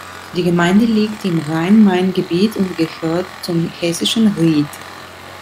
Die Gemeinde liegt im Rhein-Main-Gebiet und gehört zum Hessischen Ried.